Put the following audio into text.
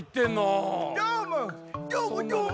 どーもどーも！